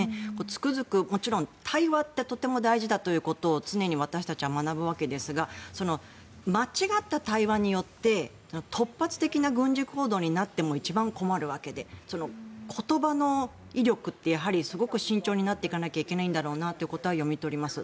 つくづく、もちろん対話ってとても大事だということを常に私たちは学ぶわけですが間違った対話によって突発的な軍事行動になっても一番困るわけで言葉の威力ってすごく慎重になっていかなきゃいけないんだろうなと読み取ります。